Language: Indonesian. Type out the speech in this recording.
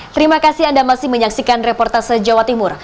terima kasih anda masih menyaksikan reportase jawa timur